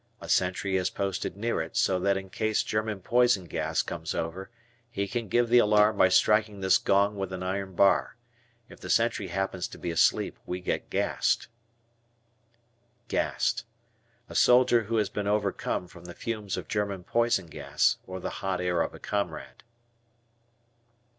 A sentry is posted near it, so that in case German poison gas comes over, he can give the alarm by striking this gong with an iron bar. If the sentry happens to be asleep we get "gassed." "Gassed." A soldier who has been overcome from the fumes of German poison gas, or the hot air of a comrade.